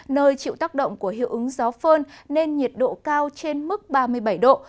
nơi chịu tác động của hiệu ứng gió phơn nên nhiệt độ cao trên mức ba mươi bảy độ